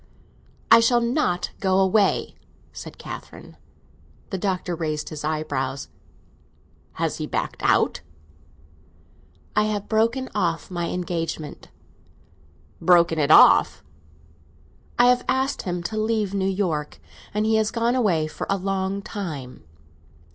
"I shall not go away!" said Catherine. The Doctor raised his eyebrows. "Has he backed out?" "I have broken off my engagement." "Broken it off?" "I have asked him to leave New York, and he has gone away for a long time."